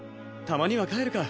たまには帰るか。